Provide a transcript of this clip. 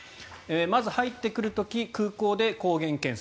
まず入ってくる時空港で抗原検査。